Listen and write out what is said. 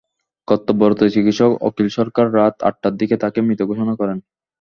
কর্তব্যরত চিকিৎসক অখিল সরকার রাত আটটার দিকে তাঁকে মৃত ঘোষণা করেন।